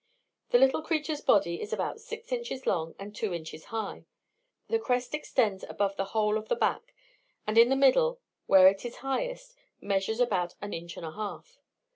The little creature's body is about six inches long and two inches high; the crest extends over the whole of the back, and in the middle, where it is highest, measures about an inch and a half.